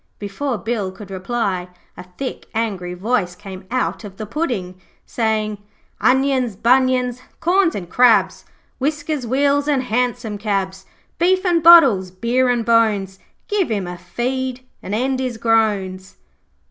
Before Bill could reply, a thick, angry voice came out of the pudding, saying 'Onions, bunions, corns and crabs, Whiskers, wheels and hansom cabs, Beef and bottles, beer and bones, Give him a feed and end his groans.'